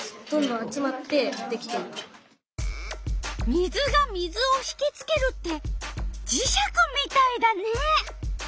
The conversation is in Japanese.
水が水をひきつけるってじ石みたいだね！